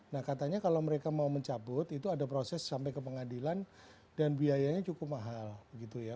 nah katanya kalau mereka mau mencabut itu ada proses sampai ke pengadilan dan biayanya cukup mahal gitu ya